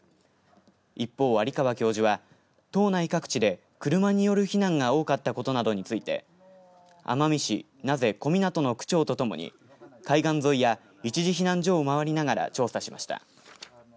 一方、有川教授は島内各地で車による避難が多かったことなどについて奄美市名瀬小湊の区長とともに海岸沿いや一時避難所をまわりながら調査しました。